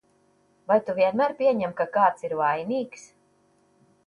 Vai tu vienmēr pieņem, ka kāds ir vainīgs?